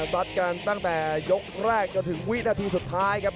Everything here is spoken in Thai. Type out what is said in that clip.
ซัดกันตั้งแต่ยกแรกจนถึงวินาทีสุดท้ายครับ